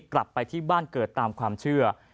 กลับไปที่บ้านเกิดตามความเชื่อ